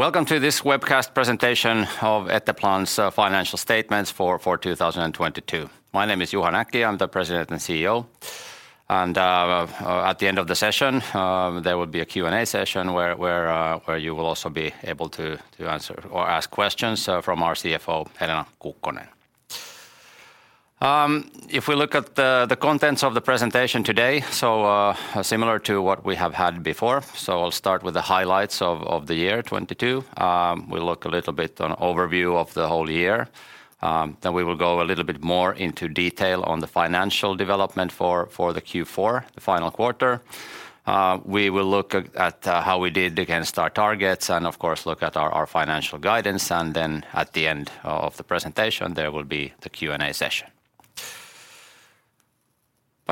Welcome to this webcast presentation of Etteplan's financial statements for 2022. My name is Juha Näkki, I'm the President and CEO, and at the end of the session, there will be a Q&A session where you will also be able to ask questions from our CFO, Helena Kukkonen. If we look at the contents of the presentation today, so similar to what we have had before. I'll start with the highlights of the year 2022. We'll look a little bit on overview of the whole year. We will go a little bit more into detail on the financial development for the Q4, the final quarter. We will look at how we did against our targets and of course, look at our financial guidance. Then at the end of the presentation, there will be the Q&A session.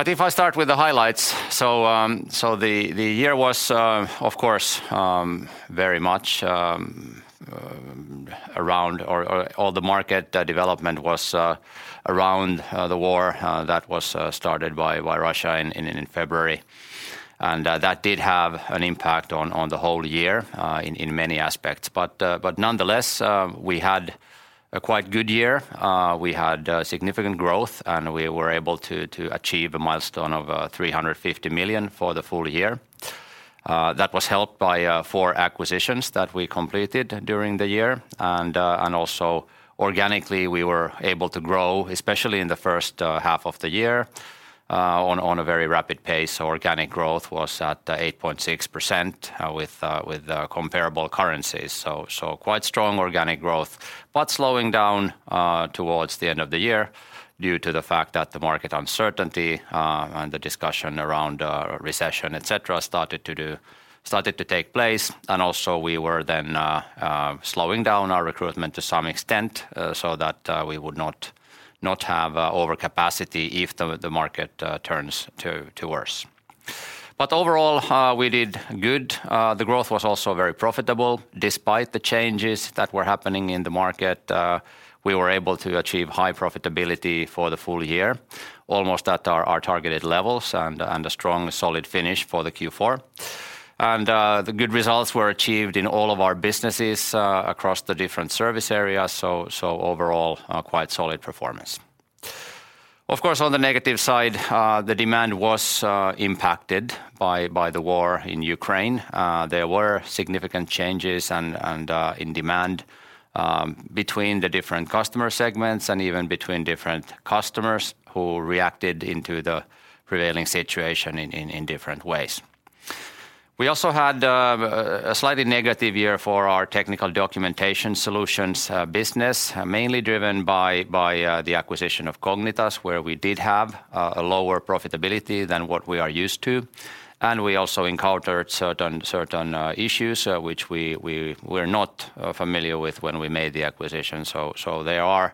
If I start with the highlights, the year was, of course, very much around or all the market development was around the war that was started by Russia in February. That did have an impact on the whole year in many aspects. But nonetheless, we had a quite good year. We had significant growth, and we were able to achieve a milestone of 350 million for the full year. That was helped by four acquisitions that we completed during the year. Also organically, we were able to grow, especially in the first half of the year, on a very rapid pace. Organic growth was at 8.6% with comparable currencies. Quite strong organic growth, but slowing down toward the end of the year due to the fact that the market uncertainty and the discussion around recession, et cetera, started to take place. Also we were then slowing down our recruitment to some extent so that we would not have overcapacity if the market turns to worse. Overall, we did good. The growth was also very profitable. Despite the changes that were happening in the market, we were able to achieve high profitability for the full year, almost at our targeted levels and a strong solid finish for the Q4. The good results were achieved in all of our businesses, across the different service areas, so overall, a quite solid performance. Of course, on the negative side, the demand was impacted by the war in Ukraine. There were significant changes and in demand between the different customer segments and even between different customers who reacted into the prevailing situation in different ways. We also had a slightly negative year for our Technical Documentation Solutions business, mainly driven by the acquisition of Cognitas, where we did have a lower profitability than what we are used to. We also encountered certain issues which we were not familiar with when we made the acquisition. There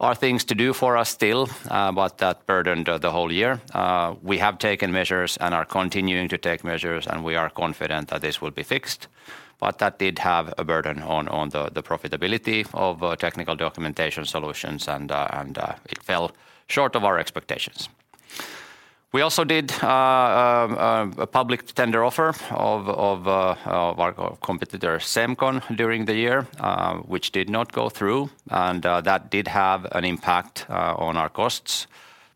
are things to do for us still, but that burdened the whole year. We have taken measures and are continuing to take measures, and we are confident that this will be fixed. That did have a burden on the profitability of Technical Documentation Solutions, and it fell short of our expectations. We also did a public tender offer of our competitor Semcon during the year, which did not go through, and that did have an impact on our costs,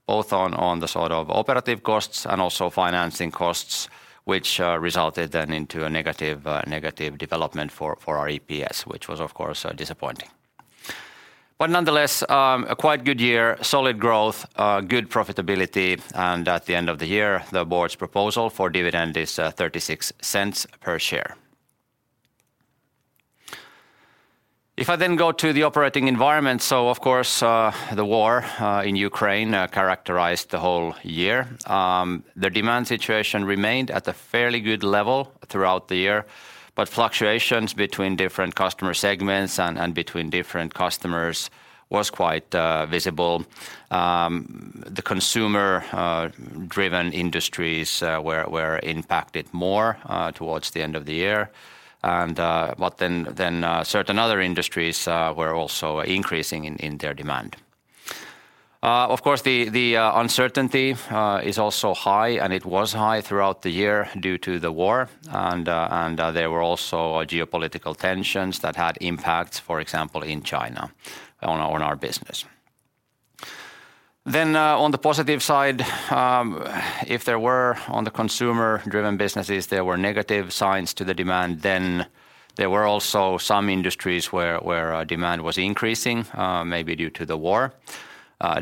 both on the sort of operative costs and also financing costs, which resulted then into a negative development for our EPS, which was of course disappointing. Nonetheless, a quite good year, solid growth, good profitability, and at the end of the year, the board's proposal for dividend is 0.36 per share. If I then go to the operating environment, so of course, the war in Ukraine characterized the whole year. The demand situation remained at a fairly good level throughout the year, but fluctuations between different customer segments and between different customers was quite visible. The consumer-driven industries were impacted more towards the end of the year. Certain other industries were also increasing in their demand. Of course, the uncertainty is also high, and it was high throughout the year due to the war. There were also geopolitical tensions that had impacts, for example, in China on our business. On the positive side, if there were on the consumer-driven businesses, there were negative signs to the demand. There were also some industries where demand was increasing, maybe due to the war.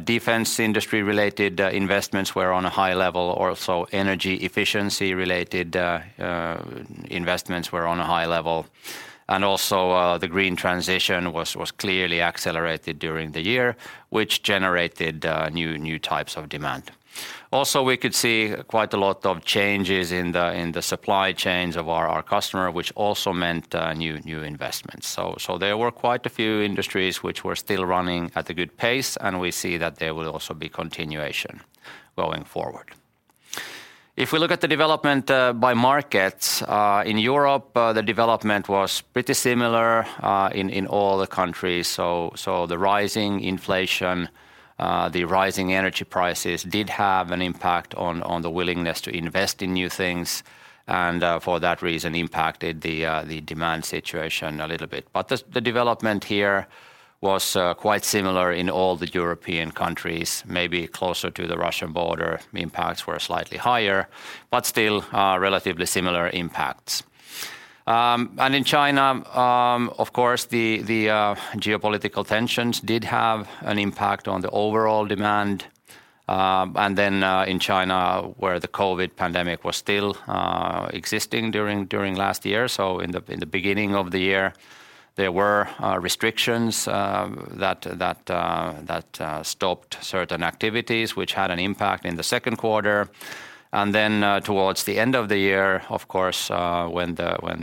Defense industry-related investments were on a high level. Also, energy efficiency-related investments were on a high level. Also, the green transition was clearly accelerated during the year, which generated new types of demand. Also, we could see quite a lot of changes in the supply chains of our customer, which also meant new investments. There were quite a few industries which were still running at a good pace, and we see that there will also be continuation going forward. If we look at the development by markets in Europe, the development was pretty similar in all the countries. The rising inflation, the rising energy prices did have an impact on the willingness to invest in new things and for that reason impacted the demand situation a little bit. The development here was quite similar in all the European countries, maybe closer to the Russian border, the impacts were slightly higher, but still, relatively similar impacts. In China, of course, the geopolitical tensions did have an impact on the overall demand. Then, in China, where the COVID-19 pandemic was still existing during last year, so in the beginning of the year, there were restrictions that stopped certain activities, which had an impact in the Q2. Then, towards the end of the year, of course, when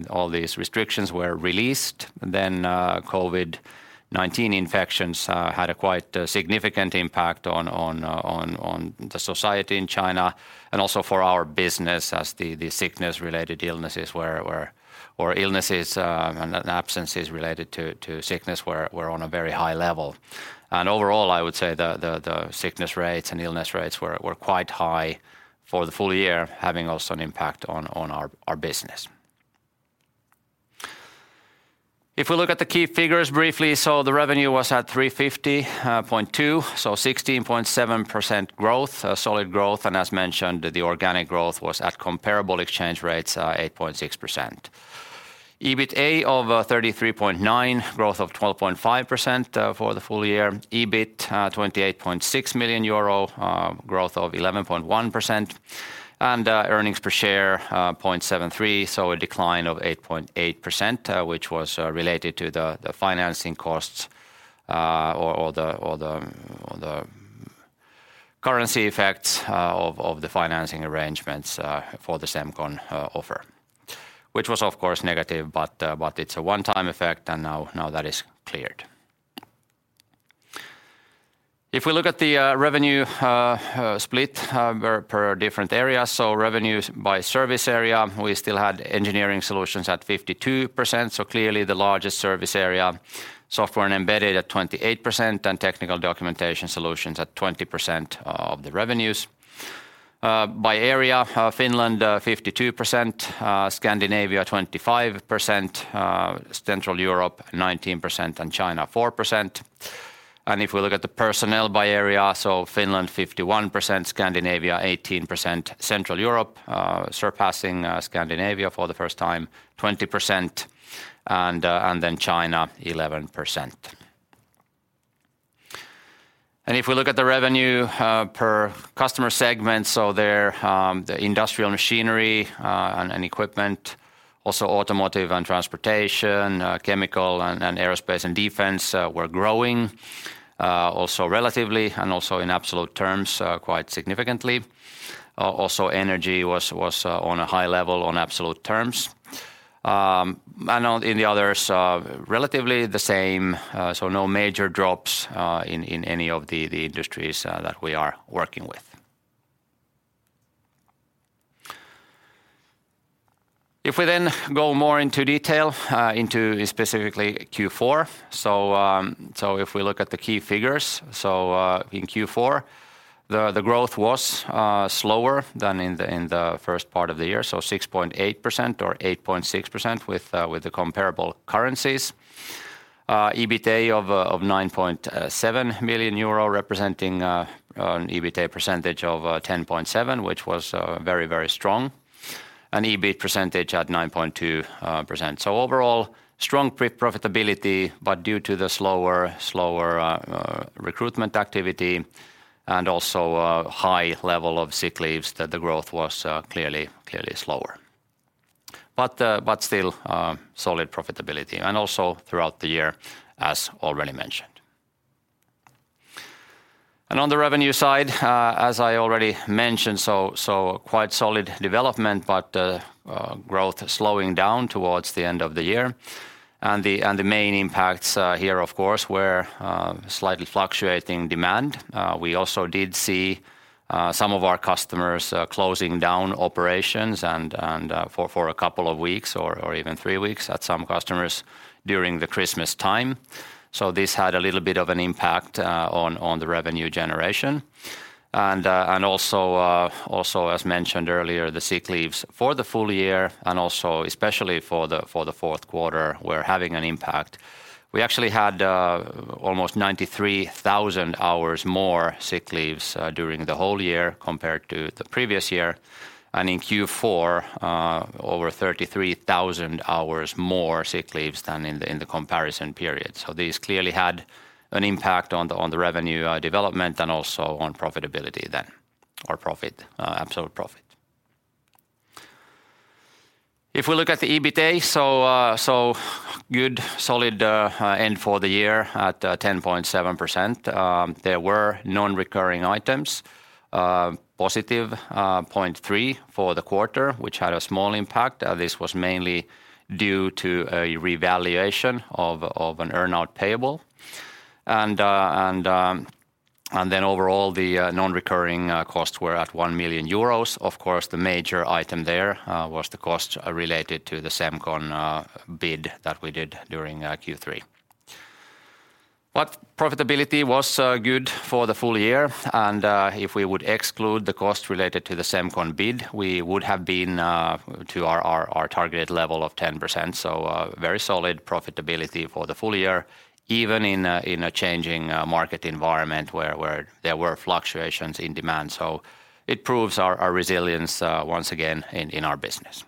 all these restrictions were released, then COVID-19 infections had a quite significant impact on the society in China and also for our business as the sickness-related illnesses or illnesses and absences related to sickness were on a very high level. Overall, I would say the sickness rates and illness rates were quite high for the full year, having also an impact on our business. If we look at the key figures briefly, the revenue was at 350.2, 16.7% growth, solid growth. As mentioned, the organic growth was at comparable exchange rates, 8.6%. EBITDA of 33.9, growth of 12.5% for the full year. EBIT 28.6 million euro, growth of 11.1%. Earnings per share 0.73, so a decline of 8.8%, which was related to the financing costs or the currency effects of the financing arrangements for the Semcon offer, which was of course negative, but it's a one-time effect and now that is cleared. If we look at the revenue split per different areas, so revenues by service area, we still had Engineering Solutions at 52%, so clearly the largest service area. Software and Embedded Solutions at 28%, and Technical Documentation Solutions at 20% of the revenues. By area, Finland, 52%, Scandinavia, 25%, Central Europe, 19%, and China, 4%. If we look at the personnel by area, Finland, 51%, Scandinavia, 18%, Central Europe, surpassing Scandinavia for the first time, 20%, China, 11%. If we look at the revenue per customer segment, there the industrial machinery and equipment, also automotive and transportation, chemical and aerospace and defense, were growing, also relatively and also in absolute terms, quite significantly. Also energy was on a high level on absolute terms. In the others, relatively the same, no major drops in any of the industries that we are working with. We then go more into detail, into specifically Q4. If we look at the key figures, in Q4, the growth was slower than in the first part of the year, 6.8% or 8.6% with the comparable currencies. EBITDA of 9.7 million euro representing an EBITDA percentage of 10.7%, which was very, very strong. An EBIT percentage at 9.2%. Overall, strong profitability, but due to the slower recruitment activity and also high level of sick leaves that the growth was clearly slower. Still, solid profitability and also throughout the year as already mentioned. On the revenue side, as I already mentioned, quite solid development, but growth slowing down towards the end of the year. The main impacts here, of course, were slightly fluctuating demand. We also did see some of our customers closing down operations and a couple of weeks or even three weeks at some customers during the Christmas time. This had a little bit of an impact on the revenue generation. Also as mentioned earlier, the sick leaves for the full year and also especially for the Q4 were having an impact. We actually had almost 93,000 hours more sick leaves during the whole year compared to the previous year. In Q4, over 33,000 hours more sick leaves than in the comparison period. This clearly had an impact on the revenue development and also on profitability then, or profit, absolute profit. If we look at the EBITDA, so good solid end for the year at 10.7%. There were non-recurring items, positive 0.3% for the quarter, which had a small impact. This was mainly due to a revaluation of an earn-out payable. Overall the non-recurring costs were at 1 million euros. Of course, the major item there was the costs related to the Semcon bid that we did during Q3. Profitability was good for the full year and if we would exclude the costs related to the Semcon bid, we would have been to our targeted level of 10%. Very solid profitability for the full year, even in a changing market environment where there were fluctuations in demand. It proves our resilience once again in our business.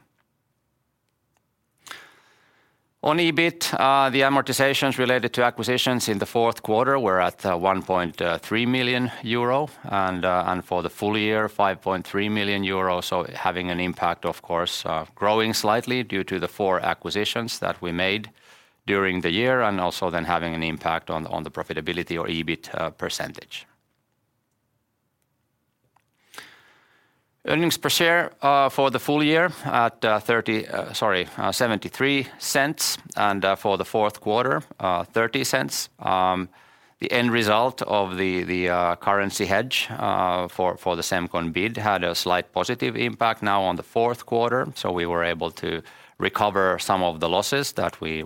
On EBIT, the amortizations related to acquisitions in the Q4 were at 1.3 million euro and for the full year, 5.3 million euro. Having an impact of course, growing slightly due to the four acquisitions that we made during the year and also then having an impact on the profitability or EBIT percentage. Earnings per share for the full year at, sorry, 0.73 and for the Q4 0.30. The end result of the currency hedge for the Semcon bid had a slight positive impact now on the Q4, so we were able to recover some of the losses that we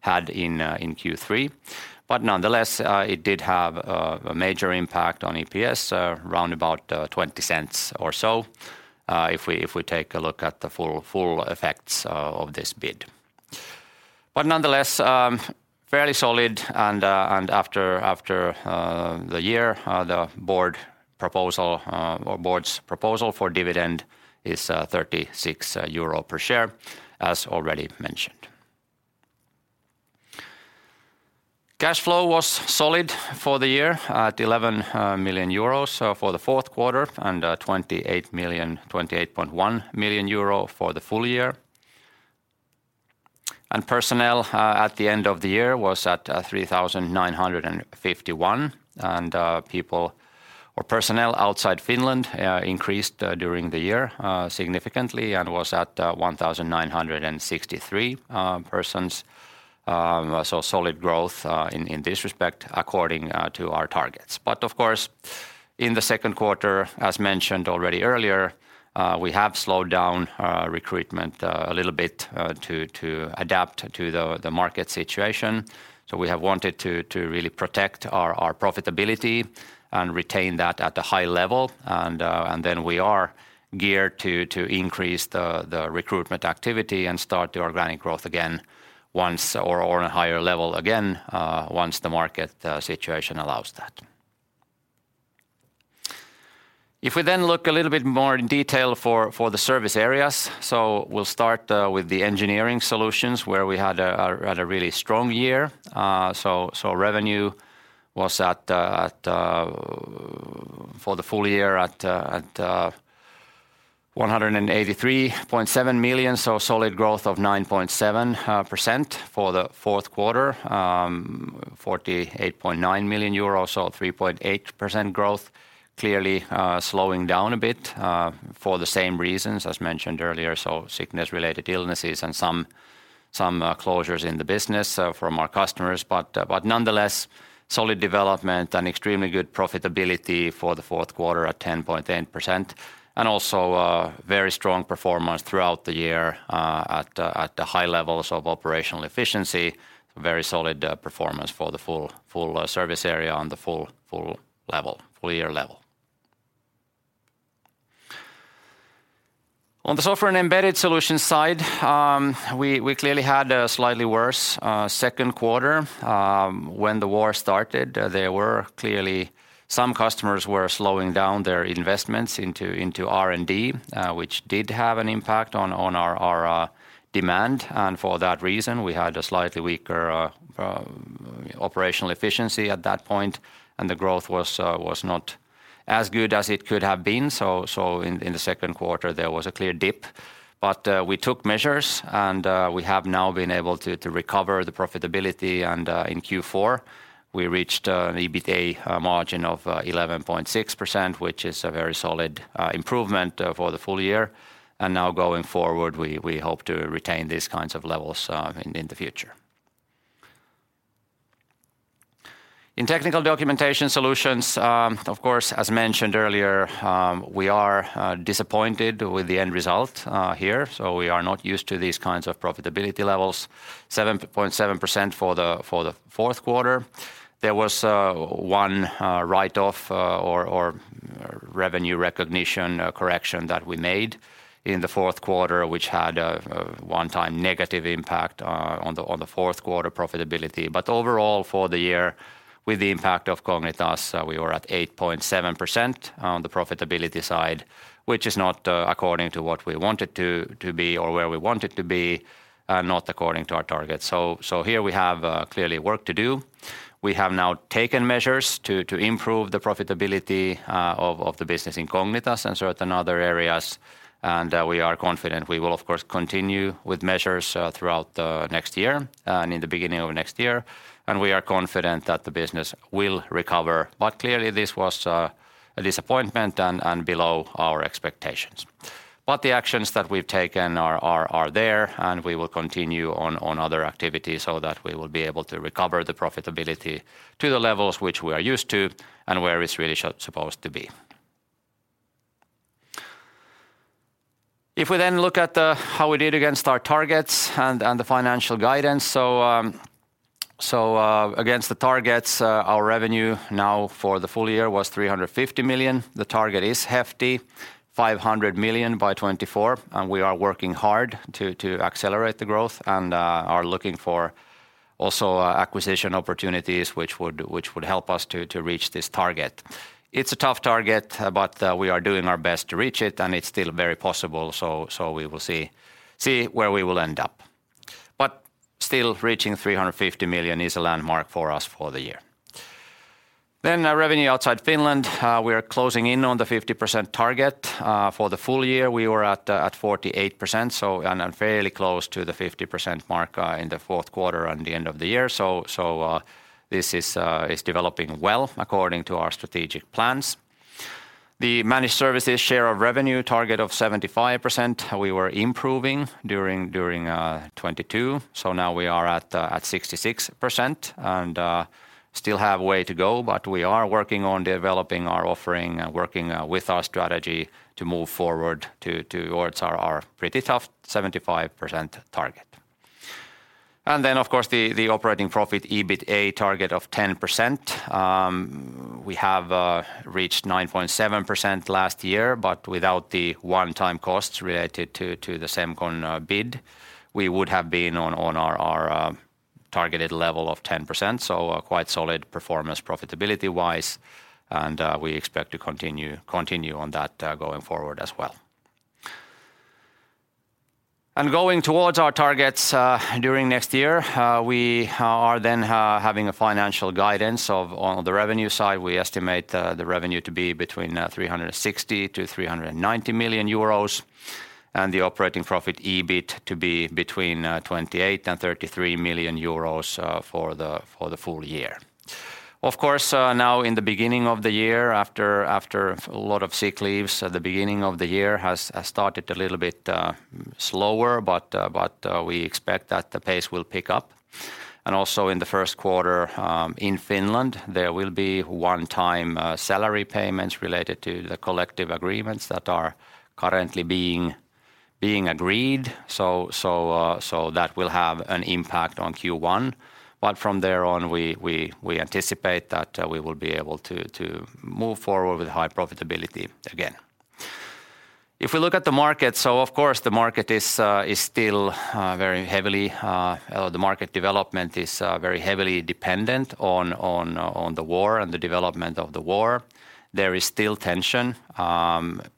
had in Q3. Nonetheless, it did have a major impact on EPS round about 0.20 or so, if we take a look at the full effects of this bid. Nonetheless, fairly solid and after the year, the board proposal or board's proposal for dividend is 0.36 euro per share, as already mentioned. Cash flow was solid for the year at 11 million euros for the Q4 and 28.1 million euro for the full year. Personnel at the end of the year was at 3,951 and people or personnel outside Finland increased during the year significantly and was at 1,963 persons. Solid growth in this respect according to our targets. Of course in the Q2, as mentioned already earlier, we have slowed down recruitment a little bit to adapt to the market situation. We have wanted to really protect our profitability and retain that at a high level and then we are geared to increase the recruitment activity and start the organic growth again once or on a higher level again once the market situation allows that. We then look a little bit more in detail for the service areas, we'll start with the Engineering Solutions where we had a really strong year. Revenue was at for the full year at 183.7 million, so solid growth of 9.7%. For the Q4, 48.9 million euros, so 3.8% growth. Clearly, slowing down a bit for the same reasons as mentioned earlier, sickness-related illnesses and some closures in the business from our customers. Nonetheless, solid development and extremely good profitability for the Q4 at 10.8% and also very strong performance throughout the year at the high levels of operational efficiency. Very solid performance for the full service area on the full year level. On the Software and Embedded Solutions side, we clearly had a slightly worse Q2. When the war started, there were clearly some customers were slowing down their investments into R&D, which did have an impact on our demand. For that reason, we had a slightly weaker operational efficiency at that point, and the growth was not as good as it could have been. In the Q2, there was a clear dip. We took measures and we have now been able to recover the profitability. In Q4, we reached an EBITDA margin of 11.6%, which is a very solid improvement for the full year. Now going forward, we hope to retain these kinds of levels in the future. In Technical Documentation Solutions, of course, as mentioned earlier, we are disappointed with the end result here. We are not used to these kinds of profitability levels. 7.7% for the Q4. There was one write-off or revenue recognition correction that we made in the Q4, which had a one-time negative impact on the Q4 profitability. Overall for the year with the impact of Cognitas, we were at 8.7% on the profitability side, which is not according to what we want it to be or where we want it to be, not according to our targets. Here we have clearly work to do. We have now taken measures to improve the profitability of the business in Cognitas and certain other areas, and we are confident we will of course continue with measures throughout the next year and in the beginning of next year. We are confident that the business will recover. Clearly this was a disappointment and below our expectations. The actions that we've taken are there, and we will continue on other activities so that we will be able to recover the profitability to the levels which we are used to and where it's really supposed to be. We look at the how we did against our targets and the financial guidance. Against the targets, our revenue now for the full year was 350 million. The target is hefty, 500 million by 2024, and we are working hard to accelerate the growth and are looking for also acquisition opportunities which would help us to reach this target. It's a tough target, but, we are doing our best to reach it, and it's still very possible, so we will see where we will end up. Still reaching 350 million is a landmark for us for the year. Our revenue outside Finland, we are closing in on the 50% target. For the full year, we were at 48%, so and fairly close to the 50% mark, in the Q4 and the end of the year. This is developing well according to our strategic plans. The managed services share of revenue target of 75%, we were improving during 2022. Now we are at 66% and still have a way to go, but we are working on developing our offering, working with our strategy to move forward towards our pretty tough 75% target. Then, of course, the operating profit, EBITDA target of 10%. We have reached 9.7% last year, but without the one-time costs related to the Semcon bid, we would have been on our targeted level of 10%. A quite solid performance profitability-wise, and we expect to continue on that going forward as well. Going towards our targets during next year, we are then having a financial guidance of... On the revenue side, we estimate the revenue to be between 360 million-390 million euros, and the operating profit EBIT to be between 28 million-33 million euros, for the full year. Of course, now in the beginning of the year, after a lot of sick leaves at the beginning of the year, has started a little bit slower, but we expect that the pace will pick up. Also in the Q1, in Finland, there will be one-time salary payments related to the collective agreements that are currently being agreed. That will have an impact on Q1, but from there on, we anticipate that we will be able to move forward with high profitability again. If we look at the market, so of course the market is still very heavily, or the market development is very heavily dependent on the war and the development of the war. There is still tension.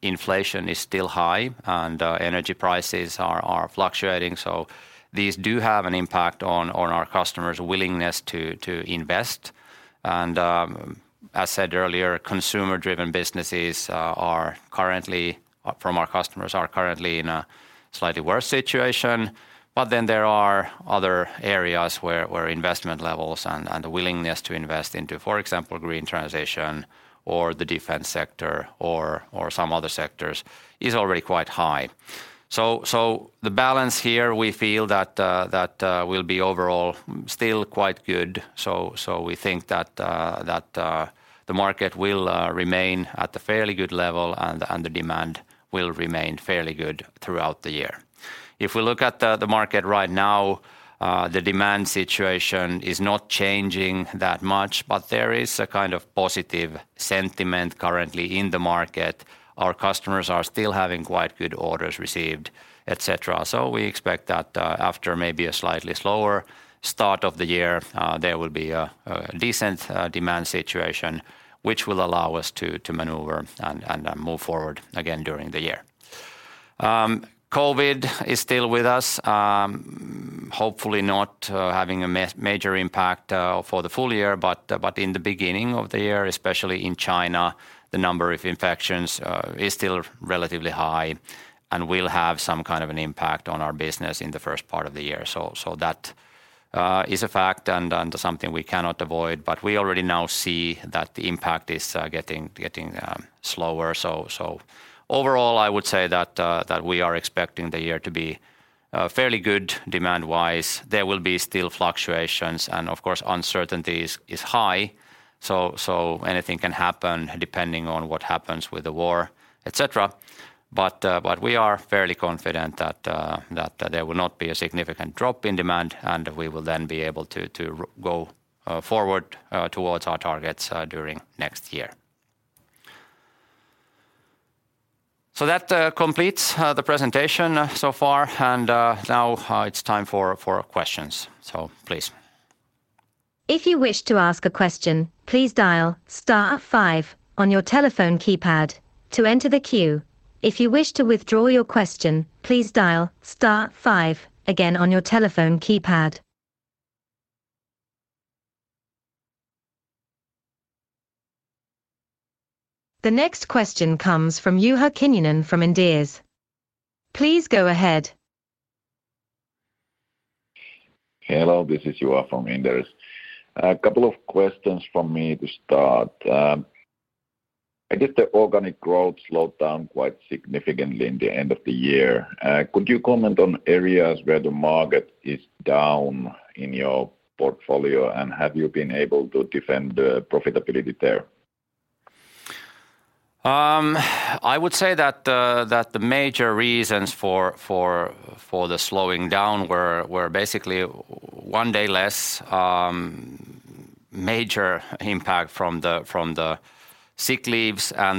Inflation is still high, and energy prices are fluctuating, so these do have an impact on our customers' willingness to invest. As said earlier, consumer-driven businesses are currently, from our customers, are currently in a slightly worse situation. There are other areas where investment levels and willingness to invest into, for example, green transition or the defense sector or some other sectors, is already quite high. The balance here, we feel that will be overall still quite good. We think that the market will remain at the fairly good level and the demand will remain fairly good throughout the year. If we look at the market right now, the demand situation is not changing that much, but there is a kind of positive sentiment currently in the market. Our customers are still having quite good orders received, et cetera. We expect that after maybe a slightly slower start of the year, there will be a decent demand situation which will allow us to maneuver and move forward again during the year. COVID-19 is still with us. Hopefully not having a major impact for the full year. In the beginning of the year, especially in China, the number of infections is still relatively high and will have some kind of an impact on our business in the first part of the year. That is a fact and something we cannot avoid. We already now see that the impact is getting slower. Overall, I would say that we are expecting the year to be fairly good demand-wise. There will be still fluctuations. Uncertainties is high. Anything can happen depending on what happens with the war, et cetera. We are fairly confident that there will not be a significant drop in demand, and we will then be able to go forward towards our targets during next year. That completes the presentation so far, and now it's time for questions. Please. If you wish to ask a question, please dial star five on your telephone keypad to enter the queue. If you wish to withdraw your question, please dial star five again on your telephone keypad. The next question comes from Juha Kinnunen from Inderes. Please go ahead. Hello, this is Juha from Inderes. A couple of questions from me to start. I guess the organic growth slowed down quite significantly in the end of the year. Could you comment on areas where the market is down in your portfolio? Have you been able to defend the profitability there? I would say that the major reasons for the slowing down were basically one day less, major impact from the sick leaves. I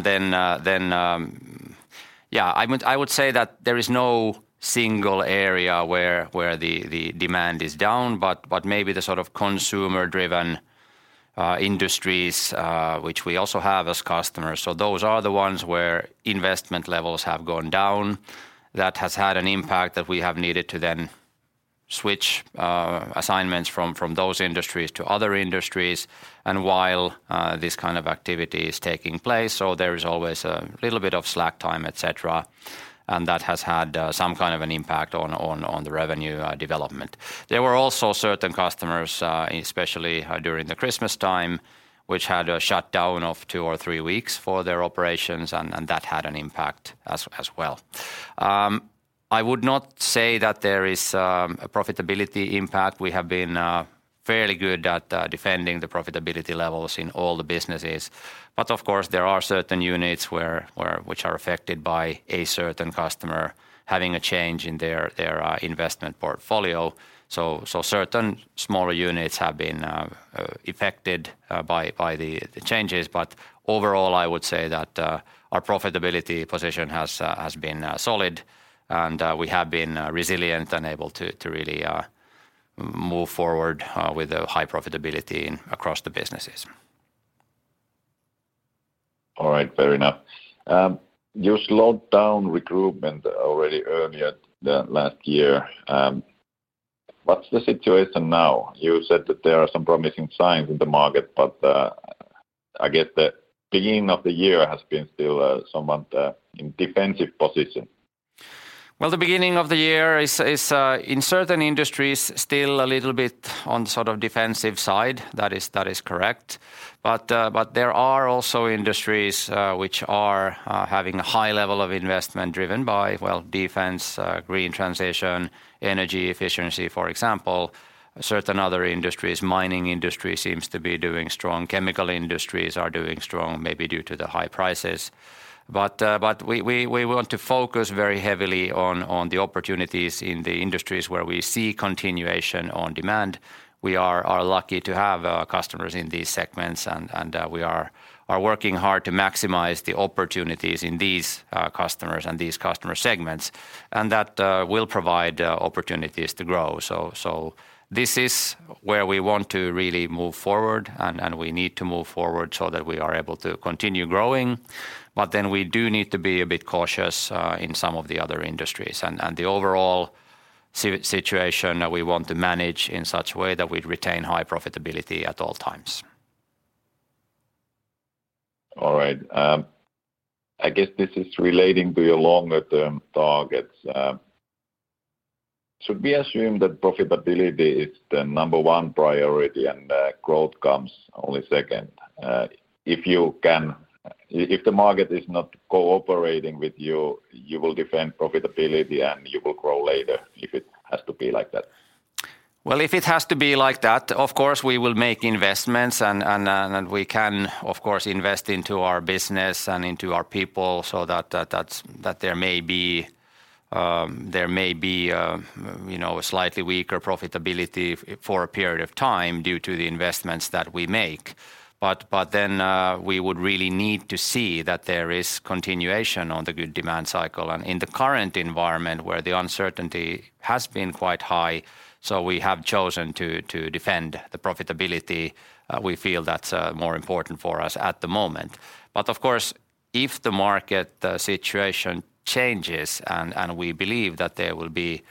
would say that there is no single area where the demand is down, but maybe the sort of consumer-driven industries, which we also have as customers. Those are the ones where investment levels have gone down. That has had an impact that we have needed to then switch assignments from those industries to other industries. While this kind of activity is taking place or there is always a little bit of slack time, et cetera, that has had some kind of an impact on the revenue development. There were also certain customers, especially, during the Christmastime, which had a shutdown of two or three weeks for their operations, and that had an impact as well. I would not say that there is a profitability impact. We have been fairly good at defending the profitability levels in all the businesses. Of course, there are certain units where which are affected by a certain customer having a change in their investment portfolio. Certain smaller units have been affected by the changes. Overall, I would say that our profitability position has been solid, and we have been resilient and able to really move forward with a high profitability in across the businesses. All right. Fair enough. You slowed down recruitment already earlier the last year. What's the situation now? You said that there are some promising signs in the market, but, I guess the beginning of the year has been still, somewhat, in defensive position. Well, the beginning of the year is in certain industries, still a little bit on sort of defensive side. That is correct. There are also industries which are having a high level of investment driven by, well, defense, green transition, energy efficiency, for example. Certain other industries, mining industry seems to be doing strong. Chemical industries are doing strong, maybe due to the high prices. We want to focus very heavily on the opportunities in the industries where we see continuation on demand. We are lucky to have customers in these segments, and we are working hard to maximize the opportunities in these customers and these customer segments. That will provide opportunities to grow. This is where we want to really move forward, and we need to move forward so that we are able to continue growing. We do need to be a bit cautious, in some of the other industries. The overall situation, we want to manage in such way that we'd retain high profitability at all times. All right. I guess this is relating to your longer term targets. Should we assume that profitability is the number one priority and, growth comes only second? If the market is not cooperating with you will defend profitability, and you will grow later if it has to be like that? Well, if it has to be like that, of course, we will make investments and we can, of course, invest into our business and into our people so that there may be, you know, a slightly weaker profitability for a period of time due to the investments that we make. We would really need to see that there is continuation on the good demand cycle. In the current environment, where the uncertainty has been quite high, so we have chosen to defend the profitability. We feel that's more important for us at the moment. Of course, if the market, the situation changes and we believe that there will be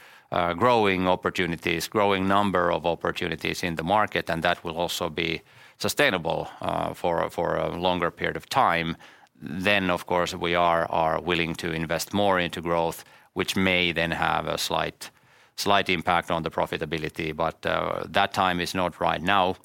growing opportunities, growing number of opportunities in the market and that will also be sustainable for a longer period of time, then of course we are willing to invest more into growth, which may then have a slight impact on the profitability. That time is not right now.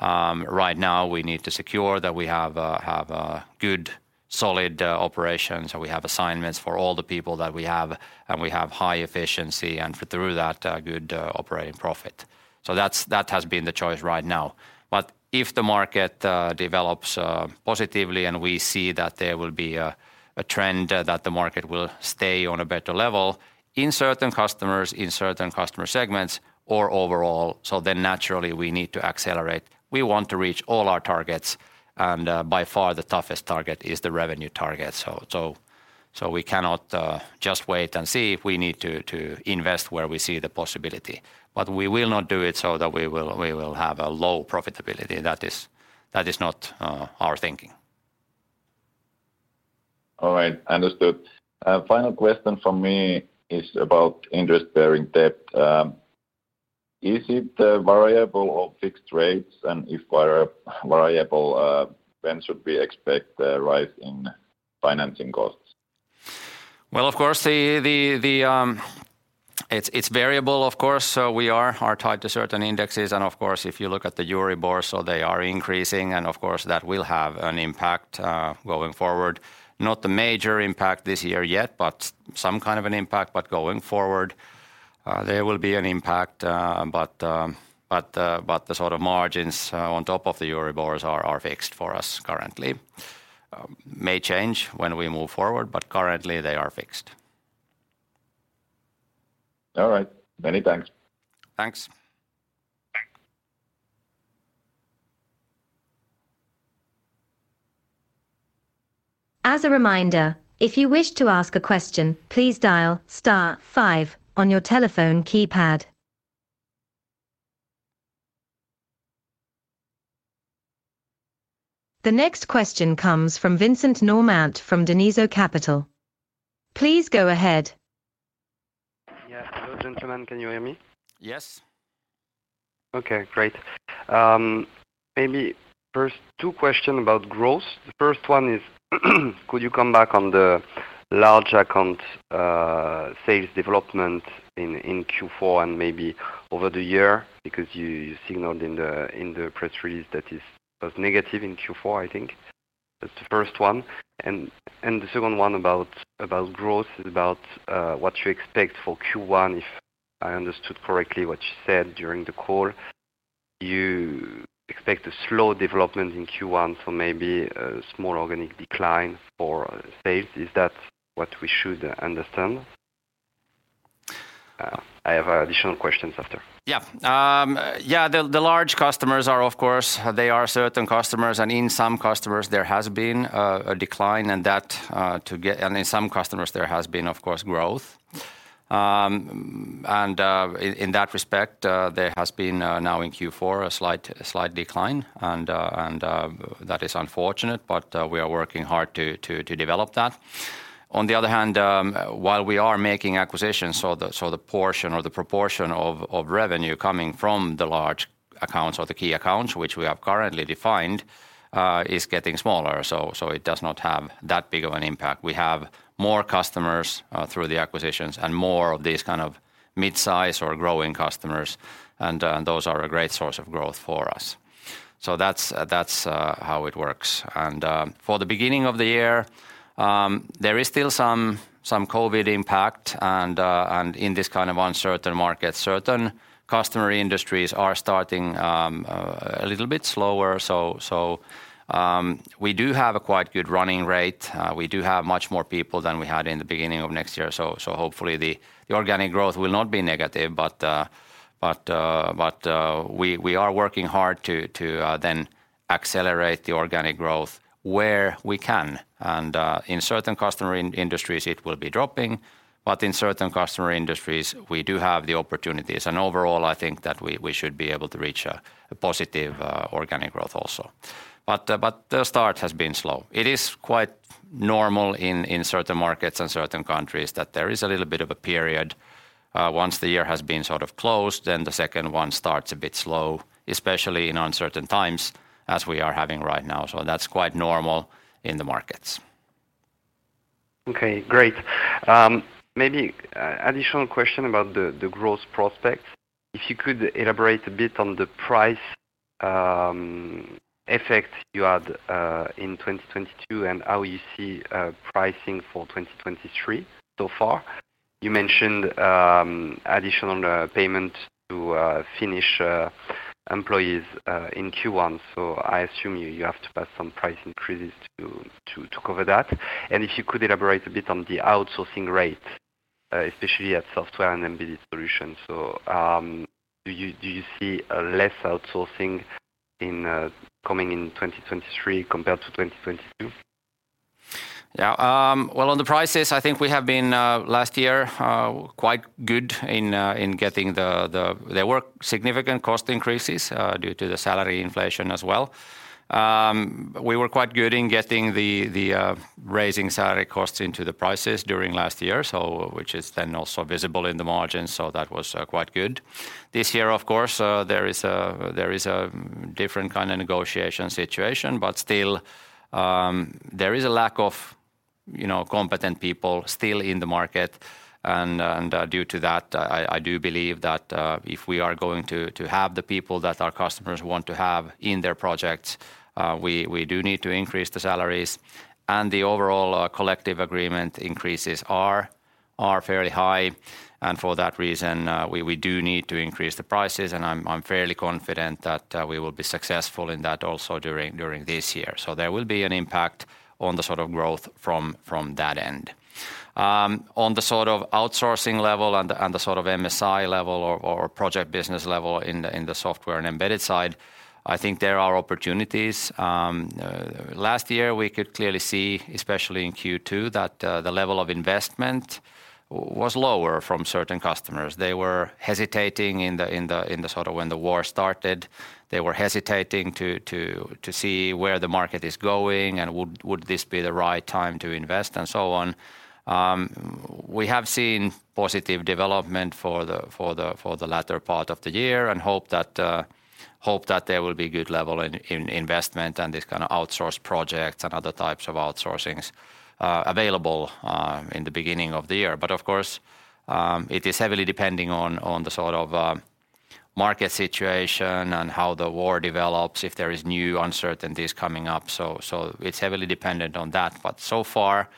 Right now we need to secure that we have a good solid operation, so we have assignments for all the people that we have, and we have high efficiency, and through that good operating profit. That has been the choice right now. If the market develops positively and we see that there will be a trend that the market will stay on a better level in certain customers, in certain customer segments or overall, naturally we need to accelerate. We want to reach all our targets, by far the toughest target is the revenue target. We cannot just wait and see if we need to invest where we see the possibility. We will not do it so that we will have a low profitability. That is not our thinking. All right. Understood. Final question from me is about interest-bearing debt. Is it the variable of fixed rates? If variable, when should we expect the rise in financing costs? Well, of course it's variable, of course. We are tied to certain indexes. Of course, if you look at the Euribor, they are increasing and of course that will have an impact going forward. Not a major impact this year yet, but some kind of an impact. Going forward, there will be an impact. But the sort of margins on top of the Euribors are fixed for us currently. May change when we move forward, but currently they are fixed. All right. Many thanks. Thanks. As a reminder, if you wish to ask a question, please dial star five on your telephone keypad. The next question comes from Vincent Normant from Daneizo Capital. Please go ahead. Yeah. Hello, gentlemen. Can you hear me? Yes. Okay, great. Maybe first two question about growth. The first one is, could you come back on the large account sales development in Q4 and maybe over the year because you signaled in the press release that was negative in Q4, I think. That's the first one. The second one about growth is about what you expect for Q1. If I understood correctly what you said during the call, you expect a slow development in Q1, so maybe a small organic decline for sales. Is that what we should understand? I have additional questions after. Yeah. The large customers are of course, they are certain customers, and in some customers there has been a decline and that, in some customers there has been, of course, growth. In that respect, there has been now in Q4 a slight decline and that is unfortunate, but we are working hard to develop that. On the other hand, while we are making acquisitions, the portion or the proportion of revenue coming from the large accounts or the key accounts which we have currently defined, is getting smaller. It does not have that big of an impact. We have more customers through the acquisitions and more of these kind of mid-size or growing customers and those are a great source of growth for us. That's how it works. For the beginning of the year, there is still some COVID impact and in this kind of uncertain market, certain customer industries are starting a little bit slower. We do have a quite good running rate. We do have much more people than we had in the beginning of next year, so hopefully the organic growth will not be negative. We are working hard to then accelerate the organic growth where we can. In certain customer industries it will be dropping, but in certain customer industries we do have the opportunities. Overall I think that we should be able to reach a positive organic growth also. The start has been slow. It is quite normal in certain markets and certain countries that there is a little bit of a period once the year has been sort of closed, then the second one starts a bit slow, especially in uncertain times as we are having right now. That's quite normal in the markets. Okay, great. Maybe additional question about the growth prospects. If you could elaborate a bit on the price effect you had in 2022 and how you see pricing for 2023 so far. You mentioned additional payment to Finnish employees in Q1, so I assume you have to pass some price increases to cover that. If you could elaborate a bit on the outsourcing rate, especially at Software and Embedded Solutions. Do you see less outsourcing in coming in 2023 compared to 2022? Yeah. Well, on the prices I think we have been last year quite good in getting. There were significant cost increases due to the salary inflation as well. We were quite good in getting the raising salary costs into the prices during last year, which is then also visible in the margins. That was quite good. This year, of course, there is a different kind of negotiation situation. Still, there is a lack of, you know, competent people still in the market. Due to that I do believe that if we are going to have the people that our customers want to have in their projects, we do need to increase the salaries. The overall collective agreement increases are fairly high, and for that reason, we do need to increase the prices, and I'm fairly confident that we will be successful in that also during this year. There will be an impact on the sort of growth from that end. On the sort of outsourcing level and the sort of MSI level or project business level in the Software and Embedded side, I think there are opportunities. Last year we could clearly see, especially in Q2, that the level of investment was lower from certain customers. They were hesitating in the... Sort of when the war started, they were hesitating to see where the market is going and would this be the right time to invest and so on. We have seen positive development for the latter part of the year and hope that there will be good level in investment and this kind of outsourced projects and other types of outsourcings available in the beginning of the year. Of course, it is heavily depending on the sort of market situation and how the war develops, if there is new uncertainties coming up. It's heavily dependent on that. So far,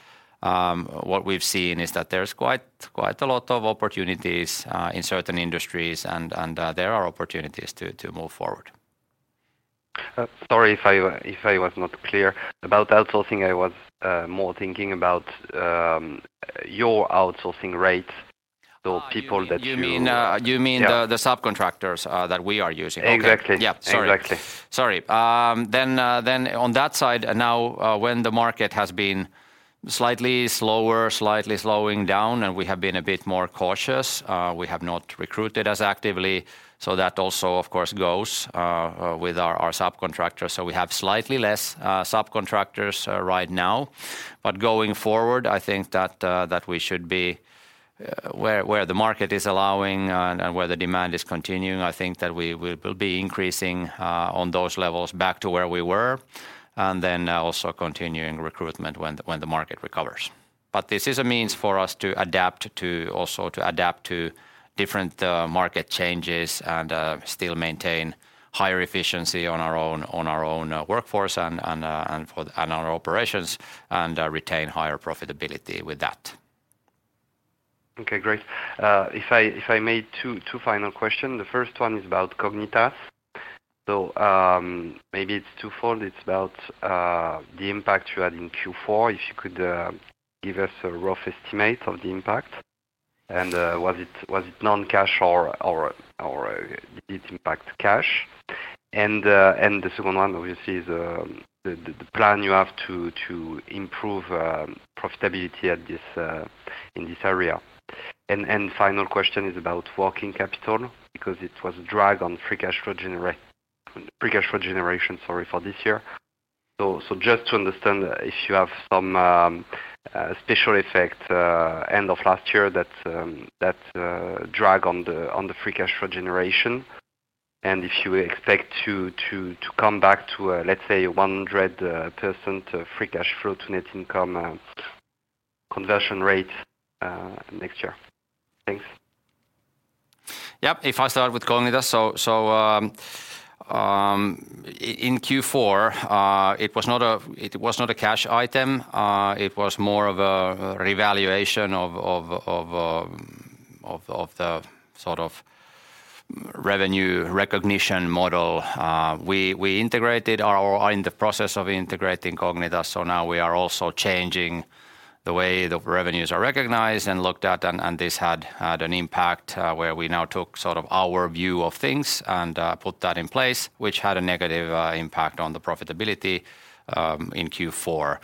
what we've seen is that there's quite a lot of opportunities in certain industries and there are opportunities to move forward. Sorry if I was not clear. About outsourcing, I was more thinking about your outsourcing rates. The people that you. you mean Yeah... the subcontractors, that we are using. Okay. Exactly. Yeah. Sorry. Exactly. Sorry. Um, then, uh, then on that side now, uh, when the market has been slightly slower, slightly slowing down, and we have been a bit more cautious, uh, we have not recruited as actively, so that also, of course, goes, uh, with our, our subcontractors. So we have slightly less, uh, subcontractors right now. But going forward, I think that, uh, that we should be where, where the market is allowing and, and where the demand is continuing, I think that we, we will be increasing, uh, on those levels back to where we were, and then also continuing recruitment when the, when the market recovers. But this is a means for us to adapt to... To adapt to different, market changes and, still maintain higher efficiency on our own workforce and our operations and, retain higher profitability with that. Okay. Great. If I made two final question. The first one is about Cognitas. Maybe it's twofold. It's about the impact you had in Q4. If you could give us a rough estimate of the impact, and was it non-cash or did it impact cash? The second one obviously is the plan you have to improve profitability at this in this area. Final question is about working capital because it was a drag on free cash flow generation, sorry, for this year. Just to understand if you have some special effect end of last year that drag on the free cash flow generation and if you expect to come back to, let's say, 100% free cash flow to net income conversion rate next year. Thanks. Yeah. If I start with Cognitas. In Q4, it was not a cash item. It was more of a revaluation of the sort of revenue recognition model. We integrated or are in the process of integrating Cognitas, so now we are also changing the way the revenues are recognized and looked at. This had an impact, where we now took sort of our view of things and put that in place, which had a negative impact on the profitability in Q4.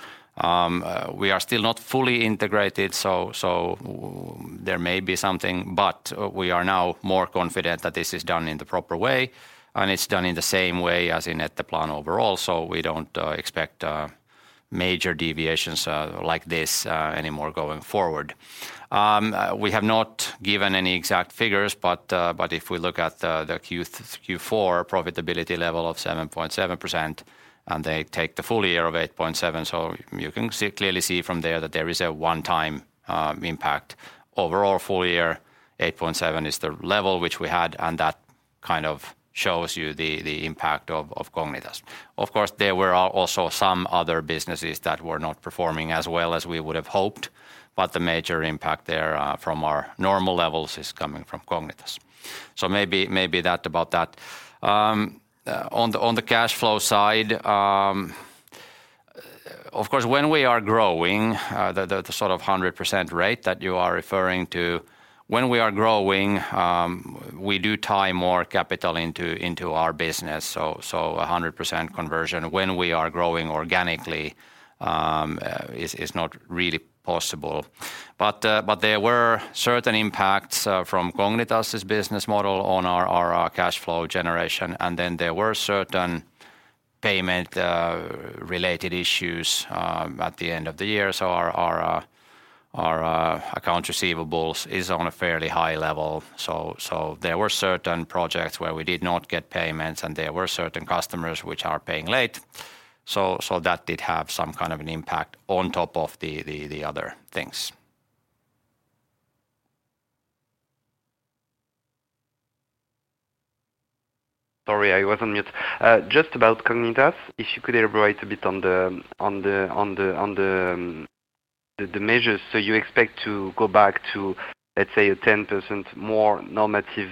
We are still not fully integrated, so there may be something, but we are now more confident that this is done in the proper way and it's done in the same way as in Etteplan overall. We don't expect major deviations like this anymore going forward. We have not given any exact figures, but if we look at the Q4 profitability level of 7.7%, and they take the full year of 8.7%, you can see, clearly see from there that there is a one-time impact. Overall full year, 8.7% is the level which we had, and that kind of shows you the impact of Cognitas. Of course, there were also some other businesses that were not performing as well as we would have hoped, but the major impact there from our normal levels is coming from Cognitas. Maybe that about that. On the cash flow side, of course, when we are growing, the sort of 100% rate that you are referring to, when we are growing, we do tie more capital into our business. A 100% conversion when we are growing organically, is not really possible. There were certain impacts from Cognitas' business model on our cash flow generation, and then there were certain payment related issues at the end of the year. Our account receivables is on a fairly high level. There were certain projects where we did not get payments, and there were certain customers which are paying late. That did have some kind of an impact on top of the other things. Sorry, I was on mute. Just about Cognitas, if you could elaborate a bit on the measures. You expect to go back to, let's say, a 10% more normative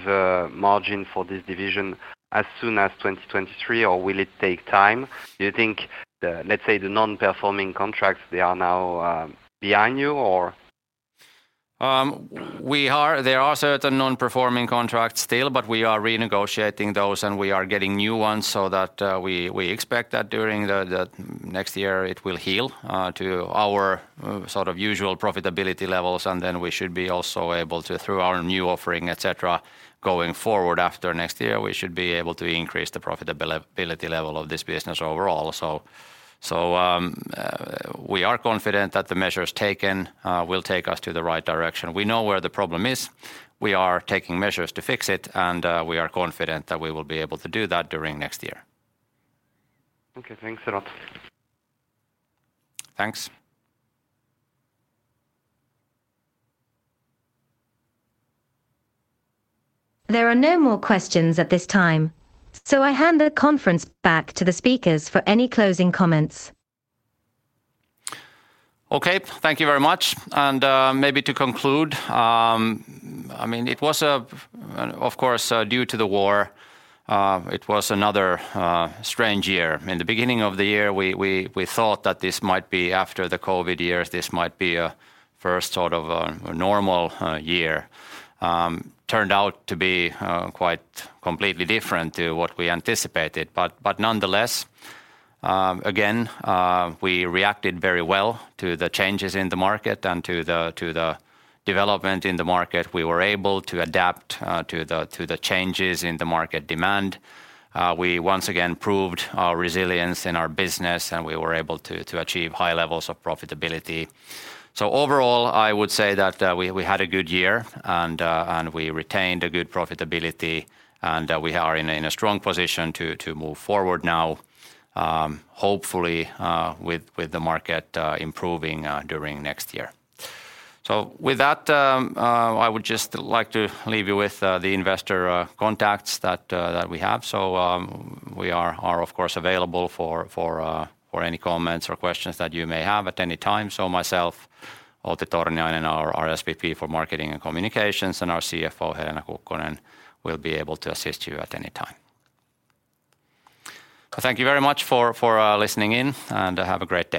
margin for this division as soon as 2023, or will it take time? Do you think the, let's say, the non-performing contracts, they are now behind you or? There are certain non-performing contracts still. We are renegotiating those, and we are getting new ones so that we expect that during the next year it will heal to our sort of usual profitability levels. Then we should be also able to, through our new offering, et cetera, going forward after next year, we should be able to increase the profitability level of this business overall. We are confident that the measures taken will take us to the right direction. We know where the problem is. We are taking measures to fix it, and we are confident that we will be able to do that during next year. Okay. Thanks a lot. Thanks. There are no more questions at this time, so I hand the conference back to the speakers for any closing comments. Okay. Thank you very much. Maybe to conclude, it was, of course, due to the war, it was another strange year. In the beginning of the year, we thought that this might be after the COVID years, this might be a first sort of a normal year. Turned out to be quite completely different to what we anticipated. Nonetheless, again, we reacted very well to the changes in the market and to the development in the market. We were able to adapt to the changes in the market demand. We once again proved our resilience in our business, and we were able to achieve high levels of profitability. Overall, I would say that we had a good year and we retained a good profitability, and we are in a strong position to move forward now, hopefully, with the market improving during next year. With that, I would just like to leave you with the investor contacts that we have. We are, of course, available for any comments or questions that you may have at any time. Myself, Outi Torniainen, our SVP for Marketing and Communications, and our CFO, Helena Kukkonen, will be able to assist you at any time. Thank you very much for listening in, and have a great day.